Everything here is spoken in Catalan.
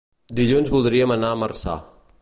Dilluns voldríem anar a Marçà.